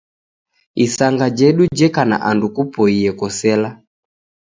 Isanga jedu jeka na andu kupoiye kosela